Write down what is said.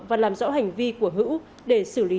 và làm rõ hành vi của hữu để xử lý